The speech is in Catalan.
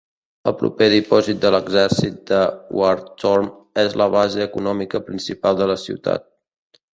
El proper dipòsit de l'Exèrcit de Hawthorne és la base econòmica principal de la ciutat.